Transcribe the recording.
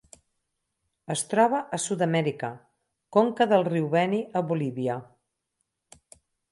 Es troba a Sud-amèrica: conca del riu Beni a Bolívia.